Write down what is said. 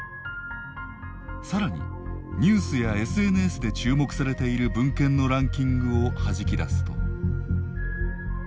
さらにニュースやＳＮＳで注目されている文献のランキングをはじき出すと。